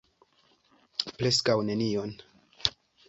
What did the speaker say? Preskaŭ nenion.